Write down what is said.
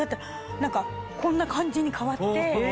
何かこんな感じに変わって。